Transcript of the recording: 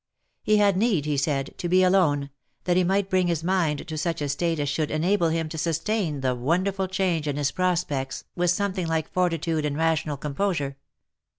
He had need, he said, to be alone, that he might bring his mind to such a state as should enable him to sustain the wonderful change in his prospects with something like fortitude and rational composure.